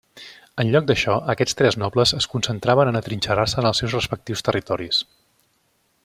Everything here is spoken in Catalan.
En lloc d'això, aquests tres nobles es concentraven en atrinxerar-se en els seus respectius territoris.